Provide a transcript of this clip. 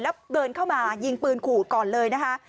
แล้วเดินเข้ามายิงปืนขู่ก่อนเลยนะคะ